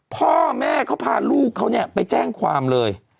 พ่อแม่เขาพาลูกเขาเนี่ยไปแจ้งความเลย